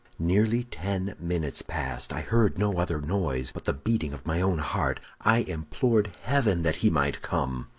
"Nearly ten minutes passed; I heard no other noise but the beating of my own heart. I implored heaven that he might come.